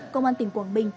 công an tỉnh quảng bình